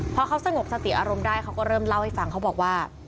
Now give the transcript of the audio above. พอเขาสงบสติอารมณ์ได้เขาก็เริ่มเล่าให้ฟังเขาบอกว่า